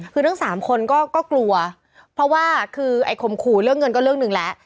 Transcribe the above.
คือทั้งสามคนก็กลัวเพราะว่าคือไอ้ข่มขู่เรื่องเงินก็เรื่องหนึ่งแล้ว